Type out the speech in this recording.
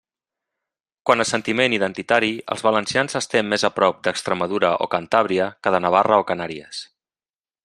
Quant a sentiment identitari els valencians estem més a prop d'Extremadura o Cantàbria que de Navarra o Canàries.